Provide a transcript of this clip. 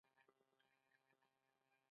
د ماشوم د ټوخي لپاره د شاتو او پیاز اوبه وکاروئ